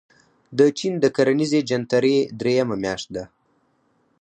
د چين د کرنیزې جنترې درېیمه میاشت ده.